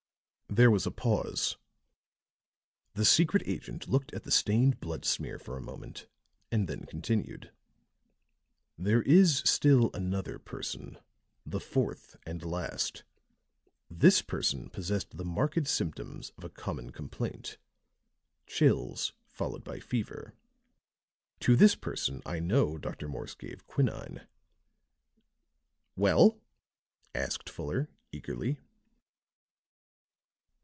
There was a pause; the secret agent looked at the stained blood smear for a moment and then continued: "There is still another person the fourth and last. This person possessed the marked symptoms of a common complaint chills followed by fever. To this person I know Dr. Morse gave quinine." "Well?" asked Fuller, eagerly.